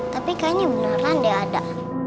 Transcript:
tapi kayaknya beneran dia ada